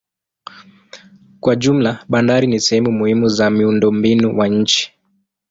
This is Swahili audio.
Kwa jumla bandari ni sehemu muhimu za miundombinu wa nchi.